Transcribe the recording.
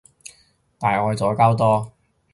大愛左膠多